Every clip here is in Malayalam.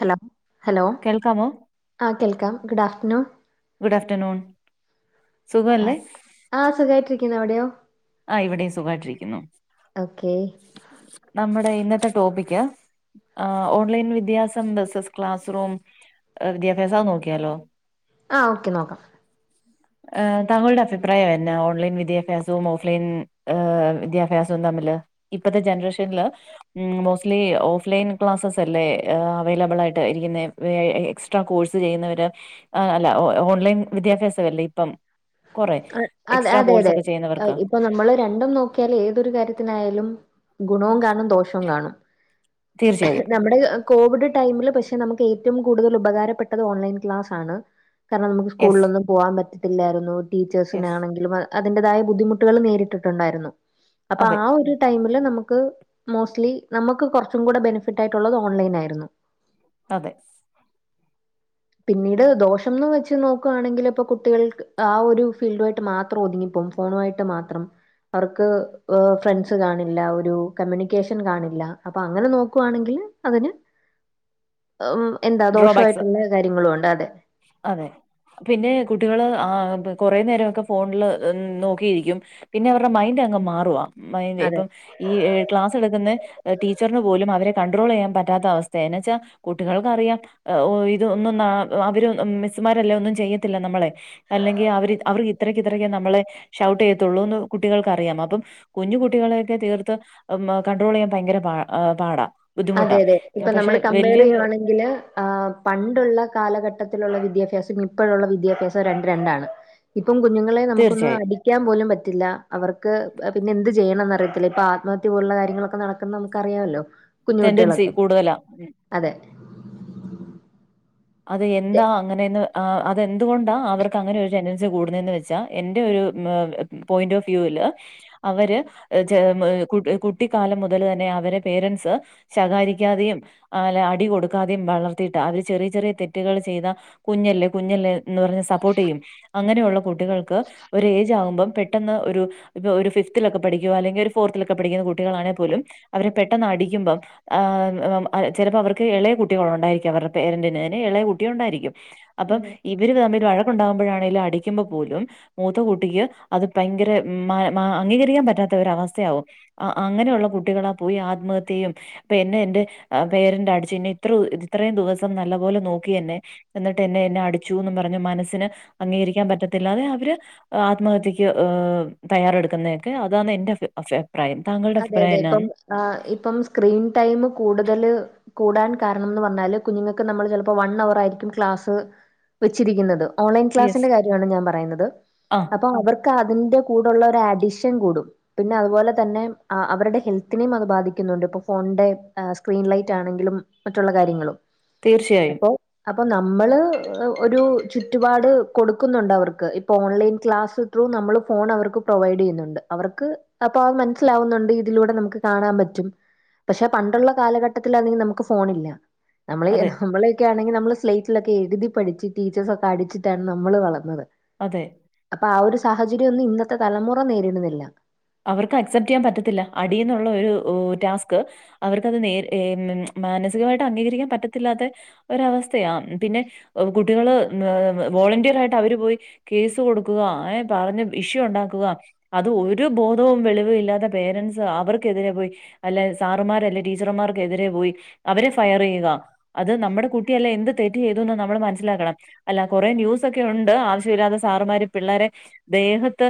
ഹലോ ഹലോ കേൾക്കാമോ ആഹ് കേൾക്കാം ഗുഡ് ആഫ്റ്റർനൂൺ ഗുഡാഫ്റ്റർനൂൺ സുഖല്ലേ ആഹ് സുഖായിട്ടിരിക്കുന്നു അവിടെയോ ആഹ് ഇവിടിം സുഖായിട്ടിരിക്കുന്നു ഓക്കെ നമ്മുടെ ഇന്നത്തെ ടോപ്പിക്ക് ആഹ് ഓൺലൈൻ വിദ്യാഭ്യാസം വോസസ് ക്ലാസ് റൂം വിദ്യാഭ്യാസം അത് നോക്കിയാലോ ആഹ് ഓക്കെ നോക്കാം താങ്ങളുടെ അഭിപ്രായം എന്നാ ഓലൈൻ വിദ്യാഭ്യാസവും ഓഫ് ക്ലിൻ ഏഹ് വിദ്യാഭ്യാസവും തമ്മില് ഇപ്പത്തെ ജനറേഷന്ല് ഉം മുസ്ലിം ഓഫ് ലൈൻ ക്ലാസ്സസല്ലേ ഏ അവൈലബിളായിട്ട് ഇരിക്ക്ന്നെ വെഐഐ എക്സ്ട്രാ കോഴ്സ് ചെയ്യുന്നവര് അ അല്ല ഓ ഓൺലൈൻ വിദ്യാഭ്യാസവല്ലെ ഇപ്പം കൊറെ അത് എക്സ്ട്രാ അതെ കോഴ്സ് അതെ ഒക്കെ ചെയ്യുന്നവർക്ക് ഇപ്പം നമ്മള് രണ്ടും നോക്കിയാല് ഏതൊരു കാര്യത്തിനായാലും ഗുണവും കാണും ദോഷവും കാണും തീർച്ചയായും നമ്മടെ കോവിഡ് ടൈമില് പക്ഷെ നമുക്ക് ഏറ്റവും കൂടുതല് ഉപകാരപ്പെട്ടത് ഓൺലൈൻ ക്ലാസാണ് കാരണം നമുക്ക് യെസ് സ്കൂള്ലൊന്നും പോവാൻ പറ്റത്തില്ലായിരുന്നു യെസ് ടീച്ചേഴ്സിനാണെങ്കിലും അ അതിന്റേതായ ബുദ്ധിമുട്ടുകള് നേരിട്ടിട്ടുണ്ടായിരുന്നു അപ്പൊ അതെ ആഹ് ഒരു ഈ ടൈമില് നമുക്ക് മോസ്റ്റ്ലി നമക്ക് കൊറ്ച്ചു കൂടെ ബെനിഫിറ്റായിട്ടുള്ളത് ഓൺലൈനായിരുന്നു അതെ പിന്നീട് ദോഷംന്ന് വെച്ച് നോക്കുവാണെങ്കില് ഇപ്പൊ കുട്ടികള് ആ ഒരു ഫീൽഡുയിട്ട് മാത്രം ഒതുങ്ങിപ്പോകും ഫോണുവായിട്ട് മാത്രം അവർക്ക് ഹ് ഫ്രണ്ട്സ് കാണില്ല ഒരു കമ്മ്യൂണിക്കേഷൻ കാണില്ല അപ്പൊ അങ്ങനെ നോ ക്കുവാണെങ്കില് അതിന് ഉം എന്താ ഡ്രോബാക്സ് ദോഷായിട്ട്ള്ള കാര്യങ്ങളുണ്ട് അതെ അതെ പിന്നെ കുട്ടികള് ആഹ് കൊറേ നേരൊക്കെ ഫോണില് നോക്കിയിരിക്കും പിന്നെവരെ മൈൻ്റങ്ങ് മാറുവാ മൈൻഡ് അതെ ഇപ്പം ഈ ക്ലാസെട്ക്ക്ന്നെ ടീച്ചറിന് പോലും അവരെ കൺട്രോളെയ്യാൻ പറ്റാത്ത അവസ്ഥയാ എന്ന് വെച്ചാ കുട്ടികൾക്കറിയാം ഓ ഇതോന്നും ന്നാ അവര് മിസ്സ്മാരല്ലേ ഒന്നും ചെയ്യത്തില്ല നമ്മളെ അല്ലെങ്കി അവര് അവർക്ക് ഇത്രക്ക് ഇത്രക്ക് നമ്മളെ ഷൗട്ടെയ്യത്തുള്ളൂന്ന് കുട്ടികൾക്ക് അറിയാം അപ്പം കുഞ്ഞു കുട്ടികളെക്കെ തീർത്ത് ഉം കണ്ടട്രോളെയ്യാൻ ഭയങ്കര പാ പാടാ അതെ ബുദ്ധിമുട്ടാ. അതെ ഇപ്പൊ പക്ഷെ നമ്മള് വലിയ കമ്പേറെയ്യുണെങ്കില് ആ പണ്ടുള്ള കാലഘട്ടത്തില്ള്ള വിദ്യാഭ്യാസം ഇപ്പഴുള്ള വിദ്യാഭ്യാസ്യം രണ്ടും രണ്ടാണ് ഇപ്പം കുഞ്ഞ്ങ്ങളെ നമുക്കൊന്ന് തീർച്ചയായും അടി ക്ക്യാൻ പോലും പറ്റില്ല അവർക്ക് പിന്നെ എന്ത് ചെയ്യണന്ന് അറിയത്തില്ല ഇപ്പ ആത്മത്യ പോലുള്ള കാര്യങ്ങളൊക്കെ നട ക്ക്ന്ന നമുക്കറിയാലോ കുഞ്ഞു ടെൻഡൻസി കുട്ട്യേളൊക്കെ കൂടുതലാ അതെ അത് തെ എന്താ അങ്ങനേന്ന് ഹ് അതെന്ത്‌കൊണ്ടാ അവർക്ക് അങ്ങനോരു ടെൻ്റൻസി കൂടുന്നേന്ന് വെച്ചാ എൻ്റെ ഒരു പോയിന്റോഫ് വ്യൂല് അവര് ചെ കുട്ടിക്കാലം മുതല് തന്നെ അവരെ പേരൻസ് ശകാരിക്കാതെയും അലേ അടി കൊട്ക്കാതേം വളർത്തീട്ടാ അവര് ചെറിയ ചെറിയ തെറ്റ്കൾ ചെയ്ത കുഞ്ഞല്ലെ കുഞ്ഞല്ലെന്ന് പറഞ്ഞ് സപ്പോർട്ടെയ്യും അങ്ങനെയുള്ള കുട്ടികൾക്ക് ഒര് ഏജാവുമ്പം പെട്ടെന്ന് ഒരു ഇപ്പൊ ഒര് ഫിഫ്ത്തിലൊക്കെ പഠിക്കുവോ അല്ലെങ്കി ഒരു ഫോർത്തിലൊക്കെ പഠിക്ക്ന്ന കുട്ടികളാണെ പോലും അവരെ പെട്ടെന്ന് അടിക്കുമ്പം ഏഹ് ചെലപ്പോ അവർക്ക് എളയ കുട്ടികള് ഉണ്ടായിരിക്കാം അവര്ടെ പേരന്റിന് ന് എളെയ കുട്ടി ഉണ്ടായിരിക്കും അപ്പം അതെ. ഇവര് തമ്മില് വഴക്ക്ണ്ടാവുമ്പോഴാണെലും അടി ക്കുമ്പോ പോലും മൂത്ത കുട്ടിക്ക് അത് ഭയങ്കര മ് മ മാ അംഗീകരിക്കാൻ പറ്റാത്തോര് അവസ്ഥയാകും അ അങ്ങനെയുള്ള കുട്ടികളാ പോയി ആത്മഹത്യയ്യും ഇപ്പം എന്നെ എന്റെ പേരന്റ് അടിച്ച് ഇന്നെ ഇത്ര ഇത്രേയും ദിവസം നല്ല പോലെ നോക്കിയെന്നെ എന്നിട്ട് എന്നെ എന്നെ അടിച്ചൂന്ന് പറഞ്ഞ് മനസ്സിന് അംഗീകരിക്കാൻ പറ്റത്തില്ലാ അത് അവര് ആത്മഹത്യക്ക്ചെ ഏഹ് തയ്യാറെട്ക്ക്ന്നെക്കെ അതാന്ന് എന്റെ അഫെ അഭി പ്രായം താങ്ങ അതെ അതെ ഇപ്പം ഏ ഇപ്പം സ്ക്രീൻ ടൈം കൂടുതല് കൂടാൻ കാരണംന്ന് പറഞ്ഞാല് കുഞ്ഞുങ്ങൾക്ക് നമ്മള് ചെലപ്പോ വൺ അവർ ആയിരിക്കും ക്ലാസ് വെച്ചിരിക്ക്ന്നത്. ഓൺലൈൻ യെസ് ക്ലാസിന്റെ കാര്യാണ് ഞാൻ പറയ്ന്നത് ആഹ് അപ്പോ അവർ ക്ക് അതിന്റെ കൂടെള്ള ഒരു അഡിഷൻ കൂടും പിന്നെ അത്പോലെ തന്നെ ആ അവര്ടെ ഹെൽത്തിനേം അത് ബാധിക്ക്ന്നുണ്ട് ഇപ്പൊ ഫോണിന്റെ സ്ക്രീൻലൈറ്റ് ആണെങ്കിലും മറ്റ്ള്ള കാര്യങ്ങളും തീർച്ചയായും. അപ്പൊ അപ്പൊ നമ്മള് ഒരു ചുറ്റുപാട് കൊടുക്കുന്നുണ്ട് അവർക്ക് ഇപ്പൊ ഓൺലൈൻ ക്ലാസ്സ് ഉ ഫോൺ അവർക്ക് പ്രൊവൈഡ് ചെയ്യുന്നുണ്ട് അവർക്ക് അപ്പൊ ആ മൻ ലാവുന്നുണ്ട് ഇതിലൂടെ നമുക്ക് കാണാൻ പറ്റും പക്ഷെ പണ്ടുള്ള കാലഘട്ടത്തിലാണെങ്കിൽ നമുക്ക് ഫോൺ ഇല്ല നമ്മൾ അതെ, നമ്മള് ക്കെ ആണെങ്കിൽ നമ്മള് സ്ലൈറ്റിലൊക്കെ എഴുതി പഠച്ച് ടീച്ചേഴ്സൊക്കെ അടിച്ചിട്ടാണ് നമ്മള് വളർന്നത്. അതെ അപ്പൊ ആ ഒരു സാഹചര്യോന്നും ഇന്നത്തെ തലമുറ നേരിടുന്നില്ല അവർക്ക് അക്സെപ്റ്റ് ചെയ്യാൻ പറ്റത്തില്ല അടീന്നുള്ള ഒരു ടാസ്ക് അവർക്കത് നേരി മാനസികമായിട്ട് അംഗീകരിക്കാൻ പറ്റത്തില്ലാത്തെ ഒരവസ്ഥയാ പിന്നെ കുട്ടികള് വോളന്റിയർ ആയിട്ട് അവര് പോയി കേസ് കൊടുക്കുക ഏ പറഞ്ഞ ഇഷ്യു ഉണ്ടാക്കുക അത് ഒരു ഒരു ബോധവും വെളിവും ഇല്ലാത്ത പേരൻറ്സ് അവർക്കെതിരെ പോയി അല്ല സാറുമാരല്ലെ ടീച്ചർമാർക്ക്‌ എതിരെ പോയി അവരെ ഫയർ ചെയ്യുക അത് നമ്മുടെ കുട്ടിയല്ലെ എന്ത് തെറ്റ് ചെയ്തുന്ന് നമ്മൾ മനസ്സിലാക്കണം. അല്ല കൊറെ ന്യൂസ് ഒക്കെ ഉണ്ട് ആവശ്യമില്ലാതെ സാറുമാര് പിള്ളേരെ ദേഹത്ത്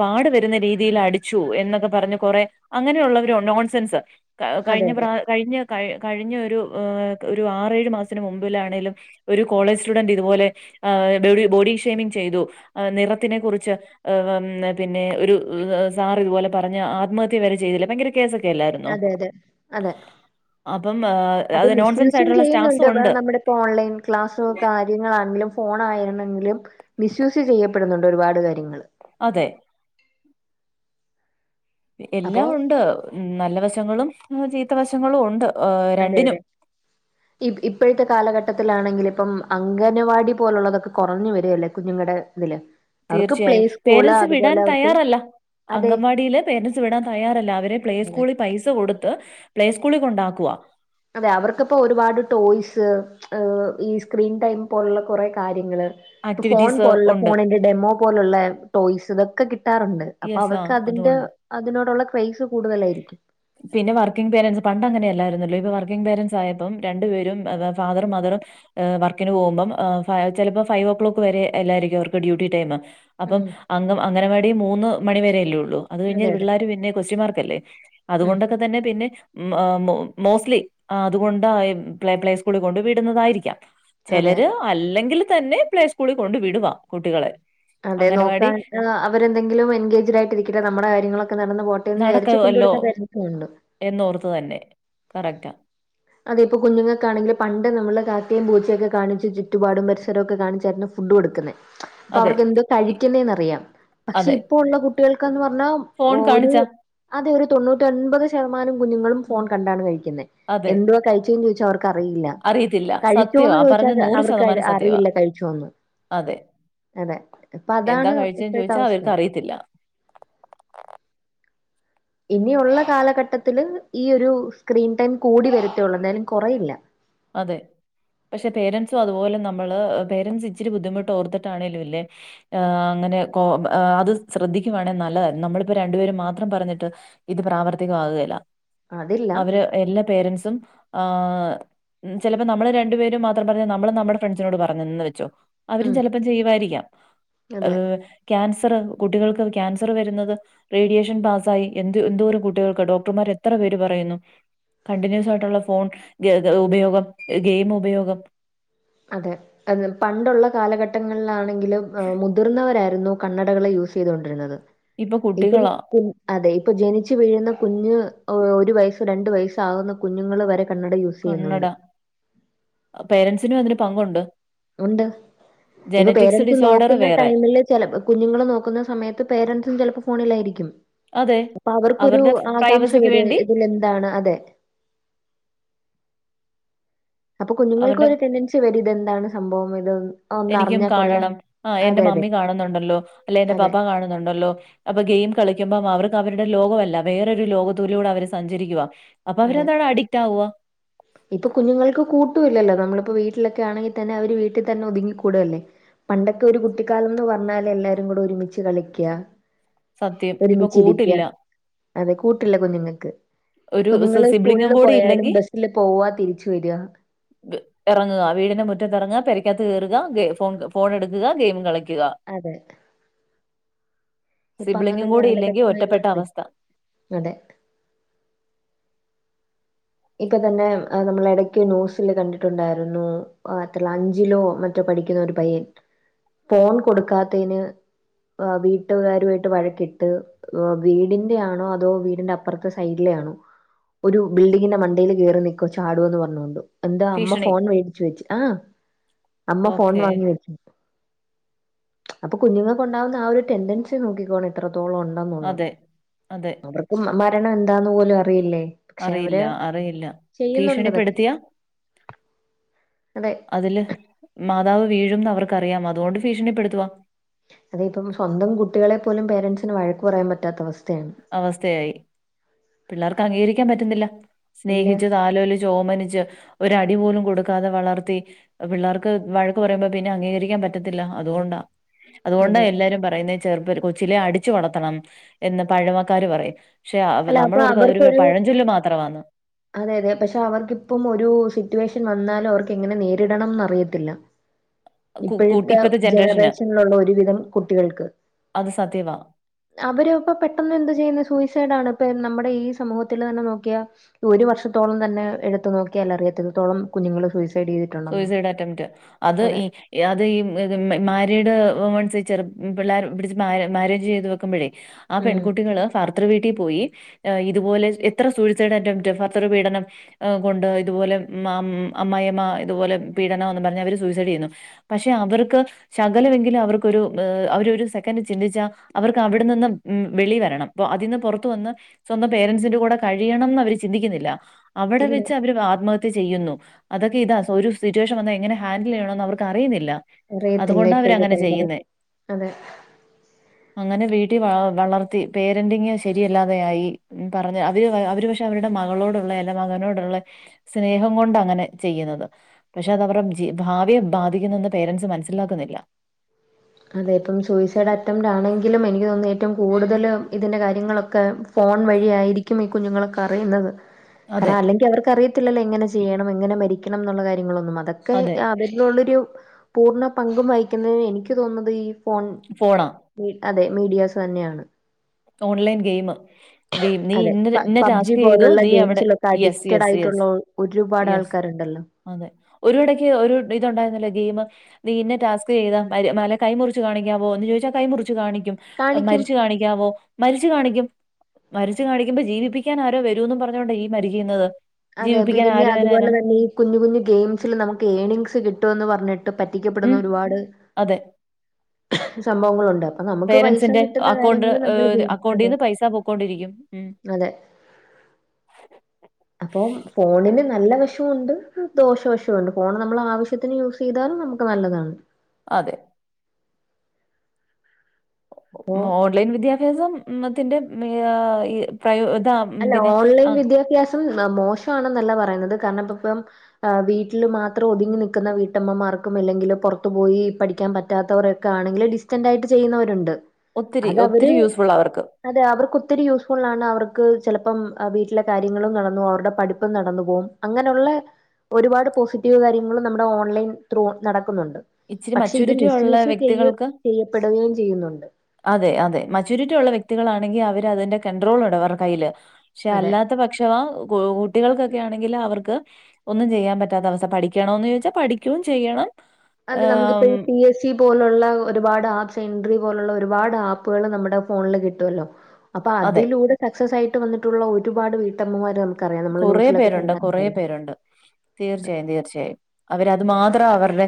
പാടുവരുന്ന രീതി രീതിയിൽ അടിച്ചു എന്നൊക്കെ പറഞ് കൊറേ അങ്ങനെയുള്ളവര നോൺസെൻസ് അതെ കഴിഞ്ഞ അതെ പ്രാ കഴിഞ്ഞ കഴ കഴിഞ്ഞ ഒരു ഒരു ആറേഴ് മാസത്തിന് മുമ്പിലാണേലും ഒരു കോളേജ് സ്റ്റുഡന്റ് ഇതുപോലെ ആ ബോഡി ഷേമിംഗ് ചെയ്തു നിറത്തിനെ കുറിച്ച് പിന്നെ ഒരു സാർ ഇതുപോലെ പർഞ്ഞ ആത്മഹത്യ വരെ ചെയ്തില്ലേ ഭയങ്കര കേസൊക്കെ അല്ലായിരുന്നോ അതെ അതെ അതെ അപ്പം ആ, അത് നോൺസെൻസ് മിസ്യുസും ആയിട്ടുള്ള ചെയ്യുന്നുണ്ട് സ്റ്റാഫ്സും ഉണ്ട് നമ്മുടെ ഇ ഓൺലൈൻ ക്ലാസ്സക്കെ കാര്യങ്ങളണെങ്കിലും ഫോൺ ആയിരുന്നെങ്കിലും മിസ്യുസ് ചെയ്യപ്പെടുന്നുണ്ട് ഒരുപാട് കാര്യങ്ങൾ അതെ അപ്പോ എല്ലാം ഉണ്ട് നല്ല വശങ്ങളും ചീത്ത വശങ്ങളും ഉണ്ട് ആ, അതെ അതെ [inaudible] ഇ ഇപ്പോഴത്തെ കാലഘട്ടത്തിലാണെങ്കിൽ ഇപ്പം അംഗനവാടി പോലുള്ളതൊക്കെ കുറഞ്ഞു വരികല്ലേ കുഞ്ഞുങ്ങളുടെ ഇതില് അവർക്ക് പ്ലേ തീർച്ചയായും സ്കൂള് പേരൻറ്സ് വിടാൻ അതുപോലെ അവർക്ക് തയ്യാറല്ല. അതെ അങ്കവാടിയില് പേരൻറ്സ് വിടാൻ തയ്യാറല്ല അവരെ പ്ലേ സ്കൂളിൽ പൈസ കൊടുത്ത് പ്ലേസ്കൂളിൽ കൊണ്ടാക്കുക അതെ അവർക്കിപ്പോ ഒരുപാട് ടോയ്സ് ഉഹ് ഈ സ്ക്രീൻ ടൈം പോലുള്ള കുറെ കാര്യങ്ങള് ഇ ഫോൺ ആക്ടിവിറ്റീസ് പോലുള്ള ഉണ്ട്. ഫോണിന്റെ ഡെമോ പോലുള്ള ടോയ്സ് ഇതൊക്കെ കിട്ടാറുണ്ട് അപ്പൊ യെസ് അവർക്ക് ആഹ് അതിന്റെ അതുകൊണ്ട്. അതിനോടുള്ള ക്രൈസ് കൂടുതലായിരിക്കും പിന്നെ വർക്കിംഗ് പരെന്റ്സ് പണ്ട് അങ്ങനെ അല്ലായിരുന്നല്ലോ ഇപ്പൊ വർക്കിംഗ പരെന്റ്സ് ആയപ്പം രണ്ടു പരും ഫാദറും മദറും ഏഹ് വർക്കിന് പോകുമ്പം ഉഹ് ചിലപ്പോ ഫൈവ് ഓ ക്ലോക്ക് വരെ എല്ലായിരിക്കും അവർക്ക് ഡ്യൂട്ടി ടൈം അപ്പം ഉം അംഗ അംഗനവാടി മൂന്ന് മണിവരെ അല്ലേ ഉള്ളൂ അത് അതെ കഴിഞ്ഞ അതെ പിള്ളേർ പിന്നെ ക്വസ്റ്റിൻ മാർക്കല്ലേ ഉം അതുകൊണ്ടൊക്കെ തന്നെ പിന്നെ ഹ്മ്മ് അഹ് മോസ്റ്റ്ലി അതുകൊണ്ട് പ്ല പ്ലെയ്‌സ്‌ക്കൂൾ കൊണ്ട് വിടുന്നതായിരിക്കാം അതെ ചെലര് അല്ലെങ്കിൽ തന്നെ പ്ലേ സ്കൂളിൽ കൊണ്ട് വിടുവാ കുട്ടികളെ അതെ നോക്കാ അംഗനവാടി അവരെന്തെങ്കിലും എൻഗേജ്ഡ് ആയിട്ടിരിക്കട്ടേ നമ്മുടെ കാര്യങ്ങളൊക്കെ നടന്നു പോ എന്ന് വിചാരിച്ചു നടക്കുവല്ലോ കൊണ്ടിടുന്ന പറന്റ്സുംണ്ട് എന്നോർത്ത് തന്നെ കറക്റ്റാ അതെ ഇപ്പോ കുഞ്ഞുങ്ങക്കാണെങ്കിൽ പണ്ട് നമ്മള് കാക്കെയും പൂച്ചയുക്കെ കാണിചു ചുറ്റുപാടും പരിസരക്കെ കാണിച്ചായിരുന്നു ഫുഡ് കൊടുക്കുന്നെ അപ്പൊ അതെ അവർക്ക് എന്തോ ഇ കായികണ്ടെന്നറിയ പക്ഷെ അതെ ഇപ്പ ഉള്ള കുട്ടികൾക്കന്ന് പറഞ്ഞാ ഫോൺ ഒരു കാണിച്ചാ അതെ ഒരു തൊണ്ണൂറ്റി ഓൻപത് ശതമാനം കുഞ്ഞുങ്ങളും ഫോൺ ആഹ്. കണ്ടാണ് കഴിക്കുന്നെ അതെ. എന്തുവാ കഴിച്ചന്ന് ചോയ്ച്ച അവർക്ക് അറിയില്ല അറിയത്തില്ല. സത്യവാ. കഴിച്ചോന്ന് ആ പറഞ്ഞ ചോയിച്ചാൽ നൂറ് അവർക്ക് ശതമാനം സത്യവാ. അറിയില്ല കഴിച്ചോന്ന് അതെ. അതെ ഇപ്പ എന്താ അതാണ് കഴിച്ചേന്ന് ഇപ്പഴ്ത്തെ ചോദിച്ചാ അവസ്ഥ അവർക്ക് അറിയത്തില്ല. ഇനിയുള്ള കാലഘട്ടത്തില് ഈ ഒരു സ്ക്രീൻ ടൈം കൂടി വരത്തെ ഒള്ളു എന്തായാലും കൊറയില്ല അതെ പക്ഷെ പേരെന്റ്സും അതുപോലെ നമ്മെള് പേരെന്റ്സ് ഇച്ചിരി ബുദ്ധിമുട്ട് ഓർത്തിട്ടാണെലും ലെ ആഹ് അങ്ങനെ കോ ഏഹ് അത് ശ്രദ്ധിക്കുവാണെ നല്ലതായിരുന്നു നമ്മളിപ്പോ രണ്ടുപേരും മാത്രം പറഞ്ഞിട്ട് ഇത് പ്രാവർത്തികമാക്‌കെലാ അതില്ല അവര് എല്ലാ പേരന്റ്സും ആഹ് ഉം ചെലപ്പോ നമ്മൾ രണ്ടു പേരും മാത്രം പറഞ്ഞ് നമ്മൾ നമ്മടെ ഫ്രണ്ട്സിനോട് പറഞ്ഞെന്ന് വെച്ചോ അവരും ഉം ചെലപ്പംചെയ്യുവായിരിക്കാം അതെ അഹ് ക്യാൻസെർ കുട്ടികൾക്ക് ക്യാൻസെർ വെരുന്നെത് റേഡിയേഷൻ പാസ്സായി എന്ത് എന്തോരം കുട്ടികൾക്ക് ഡോക്ടർമാർ എത്ര പേര് പറയുന്നു കണ്ടിന്യൂസ് ആയിട്ടുള്ള ഫോൺ ഉപയോഗം ഗെയിം ഉപയോഗം അതെ അത് പണ്ടുള്ള കാലഘട്ടങ്ങളിലാണെങ്കിലും ഏഹ് മുതിർന്നവരായിരുന്നു കണ്ണടകൾ യൂസ് ചെയ്ത് കൊണ്ടിരുന്നെത് ഇപ്പൊ ഇപ്പം കുട്ടികളാ കുഞ്ഞ് അതെ ഇപ്പം ജെനിച്ച് വീഴുന്ന കുഞ്ഞ് ഒരു വയസ്സ് രണ്ട് വയസ്സ് ആകുന്ന കുഞ്ഞുങ്ങെൾ വെരെ കണ്ണട യൂസ് കണ്ണട ചെയ്യുന്നുണ്ട്. പേരന്റ്സിനും അതിന് പങ്കുണ്ട് ഉണ്ട് ഇപ്പൊ ജനറ്റിക്സ് പേരെന്റ്സ് ഡിസോർഡർ നോക്കുന്ന വേറെ ടൈമില് ചെലപ്പം കുഞ്ഞുങ്ങെൾ നോക്കുന്ന സമയത്ത് പേരെന്റ്സും ചെലപ്പം ഫോണിലായിരിക്കും അതെ അപ്പം അവർക്കൊരു അവരുടെ ആകാംക്ഷ പ്രൈവസിക്ക് വെരും വേണ്ടി ഇതിൽ എന്താണ് അതെ അപ്പ കുഞ്ഞുങ്ങെൾക്കും അവരുടെ ഒര് ടെഡെൻസി വെറും ഇതെന്താണ് സംഭവം ഇത് ഒന്ന് ഒന്ന് അറിഞ്ഞാ കൊള്ളാം ആഹ് അതെ, എന്റെ അതെ. മമ്മി കാണുന്നുണ്ടല്ലോ അല്ലെയ് എന്റെ അതെ, പപ്പ കാണുന്നുണ്ടല്ലോ അപ്പം ഗെയിം കളിക്കുമ്പം അവർക്ക് അവരുടെ ലോകവല്ല വെറൊരു ലോകത്തുലൂടെ അവര് സഞ്ചരിക്കുവാ അപ്പ അവര് എന്താണ് അഡിക്റ്റ് ആവുവാ ഇപ്പ കുഞ്ഞുങ്ങെൾക്ക് കൂട്ടും ഇല്ലല്ലോ നമ്മളിപ്പോ വീട്ട്ലൊക്കെ ആണെങ്കിൽ തന്നെ അവര് വീട്ടിൽ തന്നെ ഒതുങ്ങിക്കൂട് അല്ലെ പണ്ടൊക്കെ ഒരു കുട്ടി ക്കാലംന്ന് പർണാൽ എല്ലാരും കൂടെ ഒരുമിച്ച് കളിക്കാ സത്യം. ഇപ്പൊ ഒരുമിച്ച് ഇരിക്കാ കൂട്ടില്ല. അതെ കൂട്ട് ഇല്ല കുഞ്ഞുങ്ങെക്ക് ഒരു സി കുഞ്ഞുങ്ങെൾ സ്ക്കൂൾ സിബ്ലിങ്ങും കൂടി പോയാലും ഇല്ലെങ്കി ബസ്സില് പോവാ തിരിച്ച് വെരാ വ് എറങ്ങ്കാ വീടിന്റെ മുറ്റെത്ത് എറങ്ങാ പേരക്ക് അകത്ത് കേറുകാ ഗെ ഫോൺ ഫോൺ എട്ക്ക്കാ ഗെയിമ്മും കളിക്ക്കാ അതെ ഇപ്പം അങ്ങനെ സിബ്ലിങ്ങും ഒരു കൂടി ഇല്ലെങ്കി കാലഘട്ടമായി ഒറ്റപ്പെട്ട മാറി അവസ്ഥ. അതെ ഇപ്പ തെന്നെ ഏഹ് നമ്മെൾ എടയ്ക്ക് ന്യൂസിൽ കണ്ടിട്ടുണ്ടായിരുന്നു ഓഹ് എത്ര് ലാ അഞ്ചിലോ മറ്റോ പഠിക്കുന്ന ഒരു പയ്യെൻ ഫോൺ കൊടുക്കാത്തെയിന് ഓഹ് വീട്ടുകാരും ആയിട്ട് വഴക്കിട്ട് ഓഹ് വീടിന്റെയാണോ അതോ വീടിന്റെ അപ്പർത്തെ സൈഡിലെ ആണോ ഒരു ബിൽ ഡിങ്ങിന്റെ മണ്ടെല് കേറി നിക്കും ചാടുന്ന് പർണോണ്ട്. എന്താ അമ്മ ഭീഷണി. ഫോൺ മേട്ച്ച് വെച്ച്. ആഹ് അമ്മ ഫോൺ ഓക്കേ. വാങ്ങി വെച്ചു. അപ്പ കുഞ്ഞുങ്ങെൾക്ക് ഇണ്ടാവുന്ന ആ ഒരു ടെൻഡെൻസി നോക്കിക്കോണെ എത്രത്തോളം ഒ ണ്ടെന്ന് ഉള്ളത്. അതെ, അതെ. അവർക്കും മരണം എന്താന്ന് പോലും അറിയില്ലേ? പക്ഷെ അറിയില്ല അവര് അറി ഇല്ല, ചെയ്യുന്നുണ്ട് ഇതൊക്കെ ഭീഷണിപ്പെടുത്തിയാ അതെ അതില് മാതാവ് വീഴുംന്ന് അവർക്ക് അറിയാം അതുകൊണ്ട് ഭീഷണിപ്പെടുത്തുവാ. അതെ ഇപ്പം സ്വന്തം കുട്ടികളെ പോലും പേരന്റ്സിന് വഴക്കുപറയാൻ പറ്റാത്ത അവസ്ഥയാണ്. അവസ്ഥയായി. പിള്ളാർക്ക് അംഗീകരിക്കാൻ പറ്റ്ന്നില്ല ഇല്ല സ്നേഹിച്ച് തലോലി ച്ച് ഒമനിച്ച് ഒര് അടി പോലും കൊട്ക്കാതെ വളർത്തി പിള്ളാർക്ക് വഴക്ക് പറയുമ്പോ പിന്നെ അംഗീകരിക്കാൻ പറ്റത്തില്ല അതുകൊണ്ടാ. അതുകൊണ്ടാ അതെ എല്ലാരും പറയുന്നേ ചെറുപ്പ കൊച്ചിലെ അടിച്ചു വളർത്തെണം എന്ന് പഴമക്കാര് പറയും. പക്ഷേ അപ്പം അല്ല നമ്മെൾ അപ്പൊ ഓർക്കും അതൊരു അവർക്കൊരു പഴഞ്ചൊല് മാത്രവാന്ന്. അതെ അതെ പക്ഷെ അവർക്കിപ്പം ഒരു സിറ്റുവേഷൻ വന്നാലും അവർക്ക് എങ്ങനെ നേരിടെണംന്ന് അറിയത്തില്ല. കു കു ഇപ്പഴ്ത്തെ ഇപ്പത്തെ ജനറേഷന് ജനറേഷൻലുള്ള ഒരുവിധം കുട്ടികൾക്ക് അത് സത്യവാ. അവര് ഇപ്പോ പെട്ടെന്ന് എന്തുചെയ്യുന്നു സൂയിസൈഡാണ്. ഇപ്പൊ നമ്മുടെ ഈ സമൂഹത്തില് തന്നെ നോക്കിയാ ഈയൊരു വർഷത്തോളം തന്നെ എടുത്തു നോക്കിയാൽ അറിയാം എത്രത്തോളം കുഞ്ഞുങ്ങള് ചെയ്തിട്ടുണ്ടെന്ന്. സൂയിസൈഡ് അറ്റംറ്റ് അത് അതെ ഈ അതീ ഏഹ് മാ മാരീഡ് വുമൺസീചെറു പിള്ളാര് പിടിച് മാരെ മാരേജ് ചെയ്ത് വെക്കുമ്പഴേ ആ ഉം പെൺകുട്ടികള് ഭർതൃ വീട്ടിൽപോയിഏഹ് ഇതുപോലെ എത്ര സൂയിസൈഡ് അറ്റംറ്റ് ഭർതൃ പീഡനം. ഏഹ് കൊണ്ട് ഇതുപോലെ മാം അമ്മായമ്മ ഇതുപോലെ പീഡനാന്നും പറഞ്ഞ് അവര് സൂയിസൈഡ്യ്യുന്നു. പക്ഷെ അവർക്ക് ശകലവെങ്കിലും അവർക്കൊരു ഏഹ് അവരൊരു സെക്കൻഡ് ചിന്തിച്ചാ അവർക്ക് അവിടെ നിന്നും ഉം വെളി വരണം. ഇപ്പൊ അതിന്ന് പൊറത്ത് വന്ന് സ്വന്തം പേരന്റ്സിന്റെ കൂടെ കഴിയണംന്ന് അവെര് ചിന്തിക്കുന്നില്ല. അവിടെ ഇല്ല വെച്ചവര് ആത്മഹത്യ ചെയ്യുന്നു അതൊക്കെ എ ഒരു സിറ്റുവേഷൻ വന്ന എങ്ങനെ ഹാൻഡില് ചെയ്യണോന്ന് അവർക്കറിയുന്നില്ല. അറിയത്തില്ല ഇപ്പഴത്തെ തലമുറയ്ക്ക്. അതെ. അങ്ങനെ വീട്ടി വ വളർത്തി പേരന്റിങ് ശരിയല്ലാതെ ആയിഉം പറഞ്ഞ് അതില് വ ക്ഷെ അവരുടെ മകളോടുള്ള അല്ലേ മകനോടുള്ള സ്നേഹം കൊണ്ടങ്ങനെ ചെയ്യുന്നത്. പക്ഷെ അതവരെ ജീ ഭാവിയെ ബാധിക്കുന്നെന്ന് പേരന്റ്സ് മനസ്സിലാക്കുന്നില്ല. അതെ ഇപ്പം സൂയിസൈഡ് അറ്റംറ്റാണെങ്കിലും എനിക്ക് തോന്നുന്നു ഏറ്റവും കൂടുതല് ഇതിൻ്റെ കാര്യങ്ങളൊക്കെ ഫോൺ വഴിയായിരിക്കും ഈ കുഞ്ഞുങ്ങളൊക്കറിയുന്നത്. അതെ കാരണം അല്ലെങ്കി അവർക്ക് അറിയത്തില്ലല്ലോ എങ്ങനെ ചെയ്യണം എങ്ങനെ മരിക്കണംന്നുള്ള കാര്യങ്ങളൊന്നും അതൊക്കെ അതെ ആ ന്നുള്ളൊരു പൂർണ്ണ പങ്കും വഹിക്കുന്നതിന് എനിക്ക് തോന്നുന്നത് ഈ ഫോൺ ഫോണാ മീഡ് അതെ മീഡിയാസ് തന്നെയാണ്. ഓൺലൈൻ ഗെയിമ് ഗെയിം നീ അതെ ഇന്ന പ ഇന്ന പബ്ജി ടാസ്ക്കെയ്തു പോലുള്ള നീ അവടെ ഗെയിംസിലൊക്കെ യെസ് അഡിക്റ്റഡ് യെസ് ആയിട്ടുള്ള യെസ് ഒ- ഒരുപാട് യെസ്. ആൾക്കാരുണ്ടല്ലോ. അതെ, ഒരുഇടക്ക് ഒരു ഇതുണ്ടായിരുന്നല്ലോ ഗെയിമ്? നീ ഇന്ന ടാസ്ക് ചെയ്താ മാരെ അല്ലേ കൈ മുറിച്ച് കാണിക്കാവോ എന്ന് ചോദിച്ചാ കൈ മുറിച്ച് കാണി കാണിക്കും. മരിച്ചു കാണിക്കാവോ മരിച്ചു കാണിക്കും. മരിച്ചു കാണിക്കുമ്പോ ജീവിപ്പിക്കാനാരോ വരൂന്നും പറഞ്ഞോണ്ട ഈ മരിക്കുന്നത്. അതെ. പി ജീവിപ്പിക്കാൻ പിന്നെ ആര് അതുപോലെ വരാനാ? തന്നെ ഈ കുഞ്ഞു കുഞ്ഞു ഗെയിംസില് നമുക്ക് ഏണിങ്സ് കിട്ടോന്ന് പറഞ്ഞിട്ട് ടിക്കപ്പെടുന്ന ഒരുപാട് അതെ. സംഭവങ്ങളുണ്ട്. അപ്പൊ നമുക്ക് പൈസ പേരൻറ്സിന്റെ കിട്ടുന്ന അക്കൗണ്ട് കാര്യങ്ങള് കണ്ട് ഏഹ് കഴിയുമ്പള് അക്കൗണ്ടീന്ന് പൈസ പൊക്കോണ്ടിരിക്കും. അതെ. അപ്പൊ ഫോണിന് നല്ല വഷമുണ്ട് ദോഷവശവുണ്ട് ഫോൺ നമ്മൾ ആവശ്യത്തിന് യൂസ് ചെയ്താലും നമുക്ക് നല്ലതാണ് അതെ അപ്പോ ഓൺലൈൻ വിദ്യാഭ്യാസത്തിന്റെ പ്രത അല്ല ഓൺലൈൻ വിദ്യാഭ്യാസം മോശമാണെന്നല്ല പറയുന്നത് കാരണം ഇപ്പ ഇപ്പം വീട്ടിൽ മാത്രം ഒതുങ്ങി നിൽക്കുന്ന വീട്ടമ്മമാർക്കും അല്ലെങ്കിൽ പുറത്തു പോയി പഠിക്കാൻ പറ്റാത്തവർ ണെങ്കിൽ ഡിസ്റ്റന്റ് ആയിട്ട് ചെയ്യുന്നവരുണ്ട് ഒത്തിരി അത് ഒത്തിരി അവര് യൂസ്ഫുൾ അവർക്ക് അതെ അവർക്ക് ഒത്തിരി യൂസ്ഫുൾ ആണ് അവർക്ക് ക്ക് ചെലപ്പം വീട്ടിലെ കാര്യങ്ങളും നടന്നു പോകും അവരുടെ പഠിപ്പും നടന്നു പോകും അങ്ങനെയുള്ള ഒരുപാട് പോസിറ്റീവ് കാര്യങ്ങളും നമ്മുടെ ഓൺലൈൻ ത്രൂ നടക്കുന്നുണ്ട് ഇച്ചിരി പക്ഷെ ഇത് മച്യൂരിറ്റി മിസ് ഉള്ള യൂസ് ചെയ്യ വ്യക്തികൾക്ക് ചെയ്യപ്പെടുകയും ചെയ്യുന്നുണ്ട് അതെ അതെ മച്ചയൂരിറ്റി ഉള്ള വ്യക്തികളാണെങ്കിൽ അവര് അതിന്റെ കണ്ട്രോൾ ഉണ്ട് അവരുടെ കയ്യില് പക്ഷെ അതെ അല്ലാത്ത പക്ഷവാ കുട്ടികൾക്കൊക്കെ ആണെങ്കിൽ അവർക്ക് ഒന്നും ചെയ്യാൻ പറ്റാത്ത അവസ്ഥ പഠിക്കണന്ന് ചോദിച്ചാൽ പഠിക്കയും ചെയ്യണം അതെ നമുക്കിപ്പോ ആഹ്, ഈ പി എസ് സി പോലുള്ള ഒരുപാട് ആപ്പ്സ് എൻട്രി പോലുള്ള ഒരുപാട് ആപ്പുകൾ നമ്മുടെ ഫോണില് കിട്ടുമല്ലോ അപ്പൊ അതെ. അതിലൂടെ സക്സസ് ആയിട്ട് വന്നിട്ടുള്ള ഒരുപാട് വീട്ടമ്മമാർ കുറ പേരുണ്ട് കുറ പേരുണ്ട് തീർച്ചയായും തീർച്ചയായും അവരതുമാത്രം അവരുടെ